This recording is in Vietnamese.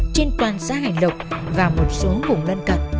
trên toàn xã hành lộc và một số vùng lân cận